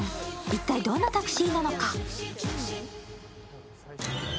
一体どんなタクシーなのか。